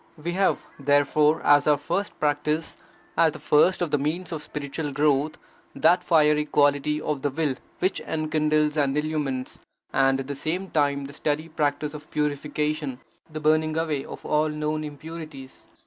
We have, therefore, as our first practice, as the first of the means of spiritual growth, that fiery quality of the will which enkindles and illumines, and, at the same time, the steady practice of purification, the burning away of all known impurities.